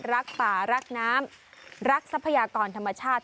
รักป่ารักน้ำรักทรัพยากรธรรมชาติ